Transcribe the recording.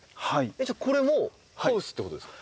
じゃあこれもハウスってことですか？